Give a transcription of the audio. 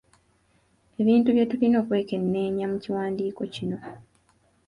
Ebintu bye tulina okwekenneenya mu kiwandiiko kino.